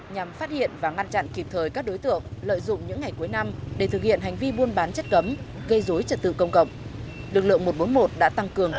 nhằm phát hiện và ngăn chặn kịp thời các đối tượng lợi dụng những ngày cuối năm để thực hiện hành vi buôn bán chất gấm gây dối trật tự công cộng